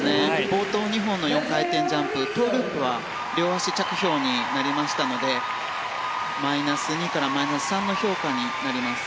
冒頭２本の４回転ジャンプトウループは両足、着氷になりましたのでマイナス２からマイナス３の評価になります。